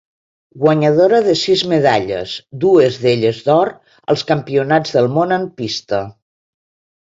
Guanyadora de sis medalles, dues d'elles d'or als Campionats del Món en pista.